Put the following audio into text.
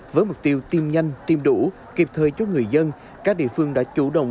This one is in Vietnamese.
với mục tiêu tiêm nhanh tiêm đủ kịp thời cho người dân các địa phương đã chủ động